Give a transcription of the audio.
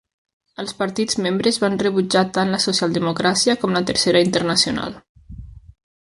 Els partits membres van rebutjar tant la socialdemocràcia com la tercera internacional.